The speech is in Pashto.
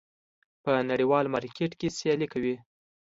په نړیوال مارکېټ کې سیالي کوي.